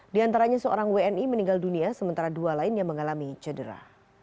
di antaranya seorang wni meninggal dunia sementara dua lainnya mengalami cedera